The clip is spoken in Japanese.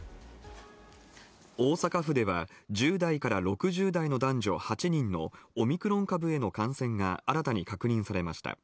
大阪府では１０代から６０代の男女８人のオミクロン株への感染が新たに確認されました。